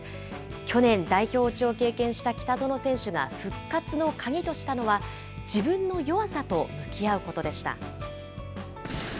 去年、代表落ちを経験した北園選手が復活の鍵としたのは、自分の弱さと向き合うことでした。